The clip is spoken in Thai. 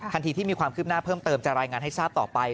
ทันทีที่มีความคืบหน้าเพิ่มเติมจะรายงานให้ทราบต่อไป